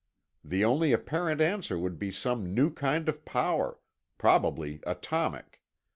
The only apparent answer would be some new kind of power, probably atomic.